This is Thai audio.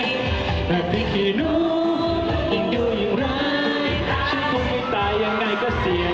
แม่พลิกหินูยิ่งดูยิ่งร้ายฉันคงจะตายยังไงก็เสีย